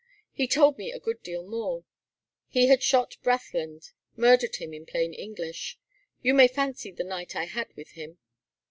"He told me a good deal more. He had shot Brathland. Murdered him, in plain English. You may fancy the night I had with him."